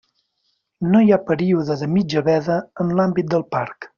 No hi ha període de mitja veda en l'àmbit del parc.